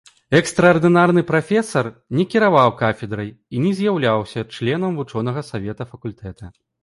Экстраардынарны прафесар не кіраваў кафедрай і не з'яўляўся членам вучонага савета факультэта.